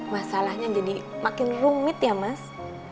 masalahnya jadi makin rumit ya mas